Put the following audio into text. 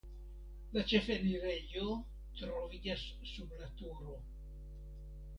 La ĉefenirejo troviĝas sub la turo.